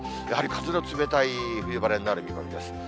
やはり風の冷たい冬晴れになる見込みです。